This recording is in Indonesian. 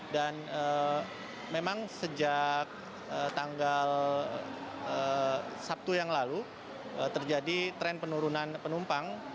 dan memang sejak tanggal sabtu yang lalu terjadi tren penurunan penumpang